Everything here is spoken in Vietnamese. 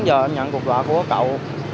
rồi bốn giờ anh nhận cuộc đoạn của cậu